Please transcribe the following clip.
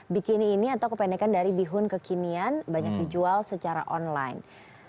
bikini ini atau kependekan dari bihun kekinian banyak dijual secara online